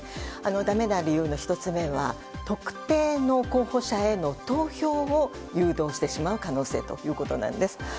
だめな理由の１つ目は特定の候補者への投票を誘導してしまう可能性ということなんです。